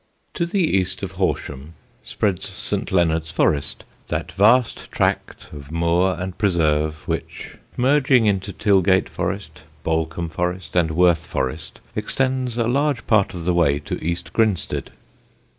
To the east of Horsham spreads St. Leonard's Forest, that vast tract of moor and preserve which, merging into Tilgate Forest, Balcombe Forest, and Worth Forest, extends a large part of the way to East Grinstead.